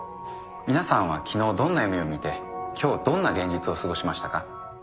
皆さんは昨日どんな夢を見て今日どんな現実を過ごしましたか？